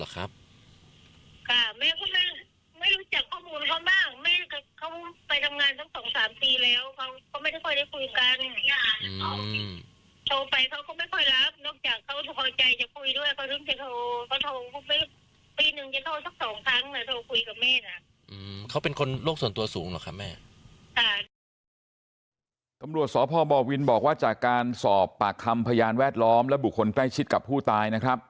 ตำรวจสบวินบอกว่าจากการสอบปากคำพยานแวดล้อมและบุคคลใกล้ชิดกับผู้ตายนะครับ